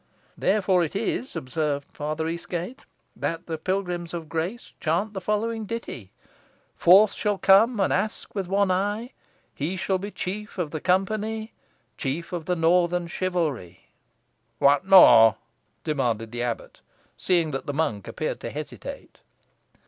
"Therefore it is," observed Father Eastgate, "that the Pilgrims of Grace chant the following ditty: "'Forth shall come an Aske with one eye, He shall be chief of the company Chief of the northern chivalry.'" "What more?" demanded the abbot, seeing that the monk appeared to hesitate.